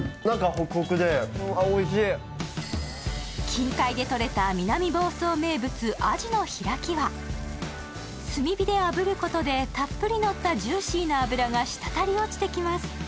ホクホクでおいしい近海でとれた南房総名物炭火であぶることでたっぷりのったジューシーな脂が滴り落ちてきます